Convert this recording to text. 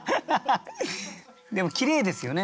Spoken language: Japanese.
でもきれいですよね